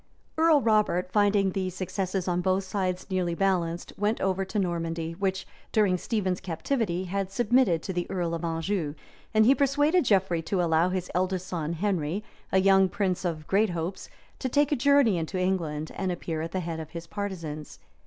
{1142.} Earl Robert, finding the successes on both sides nearly balanced, went over to Normandy, which, during Stephen's captivity, had submitted to the earl of Anjou; and he persuaded Geoffrey to allow his eldest son, Henry, a young prince of great hopes, to take a journey into England, and appear at the head of his partisans.